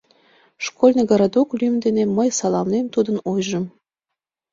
— Школьный городок лӱм дене мый саламлем тудын ойжым.